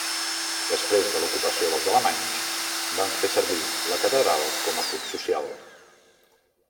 Després de l'ocupació dels alemanys, van fer servir la catedral com a club social.